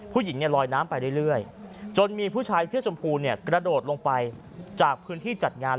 ผู้หญิงเนี่ยลอยน้ำไปเรื่อยจนมีผู้ชายเสื้อชมพูเนี่ยกระโดดลงไปจากพื้นที่จัดงาน